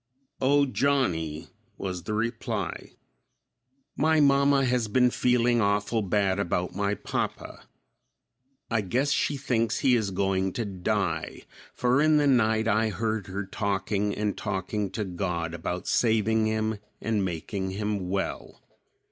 "O, Johnny," was the reply; "My mamma has been feeling awful bad about my papa. I guess she thinks he is going to die, for in the night I heard her talking and talking to God about saving him and making him well.